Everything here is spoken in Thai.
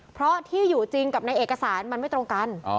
เพราะที่อยู่จริงกับในเอกสารมันไม่ตรงกัน